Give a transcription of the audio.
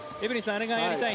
あれがやりたい